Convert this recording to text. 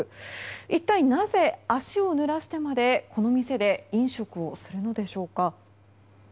一体なぜ足をぬらしてまでこの店で飲食をするのでしょうか。